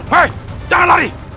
hei jangan lari